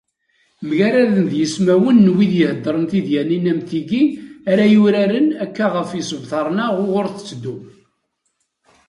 Mgaraden d yismawen n wid yeddren tidyanin am tigi ara yuraren akka ɣef yisebtaren-a uɣur tetteddum.